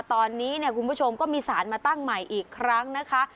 ตอนนี้เนี่ยคุณผู้ชมก็มีสารมาตั้งใหม่อีกครั้งนะคะ